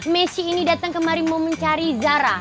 messi ini datang kemari mau mencari zara